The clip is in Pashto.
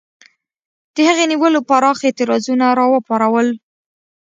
د هغې نیولو پراخ اعتراضونه را وپارول.